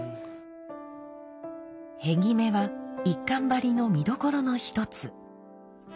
片木目は一閑張の見どころの一つ。